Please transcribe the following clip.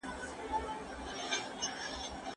زه کولای سم وخت ونیسم؟